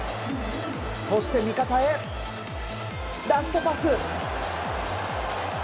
そして、味方へラストパス！